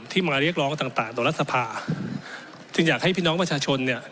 ที่มาเรียกร้องต่างต่างต่อรัฐสภาจึงอยากให้พี่น้องประชาชนเนี่ย